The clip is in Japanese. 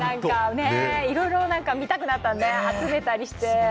いろいろ見たくなったね集めたりして。